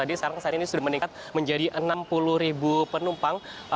tadi sekarang sudah meningkat menjadi enam puluh ribu penumpang